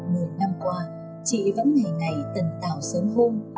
một năm qua chị vẫn ngày ngày tần tạo sớm hôn